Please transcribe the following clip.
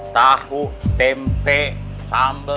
tahu tempe sambel